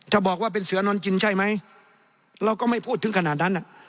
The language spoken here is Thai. บอกว่าเป็นเสือนอนกินใช่ไหมเราก็ไม่พูดถึงขนาดนั้น